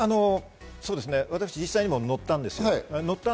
私、実際に乗ったんですよ。